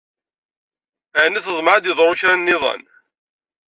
Ɛni tḍemɛeḍ ad yeḍru kra niḍen?